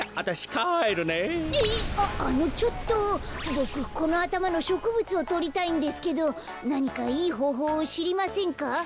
ボクこのあたまのしょくぶつをとりたいんですけどなにかいいほうほうをしりませんか？